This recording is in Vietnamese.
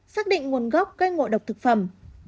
xác định nguồn gốc gây ngộ độc thực phẩm